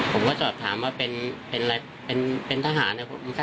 ผมก็สอบถามว่าเป็นอะไรเป็นทหารนะครับ